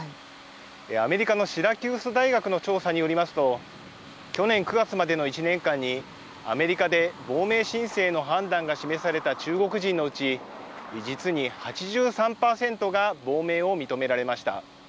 アメリカのシラキュース大学の調査によりますと、去年９月までの１年間に、アメリカで亡命申請の判断が示された中国人のうち、実に８３％が亡命を認められました。